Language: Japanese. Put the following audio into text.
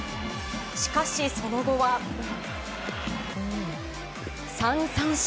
しかし、その後は３三振。